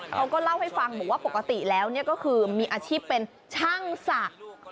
เขาก็เล่าให้ฟังบอกว่าปกติแล้วก็คือมีอาชีพเป็นช่างศักดิ์